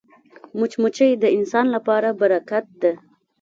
مچمچۍ د انسان لپاره برکت ده